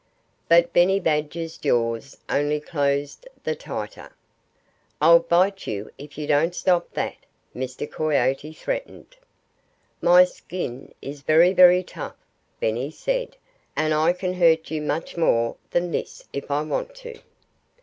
But Benny Badger's jaws only closed the tighter. "I'll bite you if you don't stop that!" Mr. Coyote threatened. "My skin is very, very tough," Benny said. "And I can hurt you much more than this if I want to."